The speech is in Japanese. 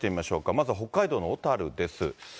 まずは北海道の小樽です。